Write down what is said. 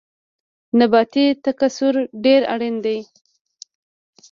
نباتي تکثیر ډیر اړین دی